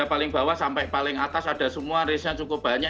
harga paling bawah sampai paling atas ada semua resnya cukup banyak